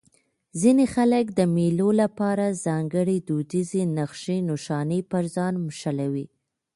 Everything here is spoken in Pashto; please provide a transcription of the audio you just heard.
ځيني خلک د مېلو له پاره ځانګړي دودیزې نخښي نښانې پر ځان موښلوي.